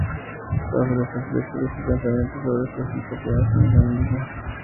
La filósofa expresa su pensamiento sobre este asunto apoyándose en el feminismo.